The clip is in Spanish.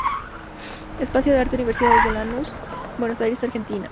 Espacio de Arte, Universidad de Lanús, Buenos Aires, Argentina.